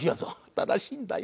新しいんだよ。